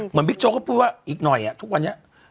บิ๊กโจ๊ก็พูดว่าอีกหน่อยทุกวันนี้